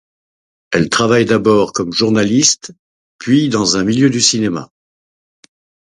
Elle travaille d'abord comme journaliste, puis dans le milieu du cinéma.